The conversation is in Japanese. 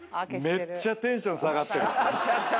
めっちゃテンション下がってる。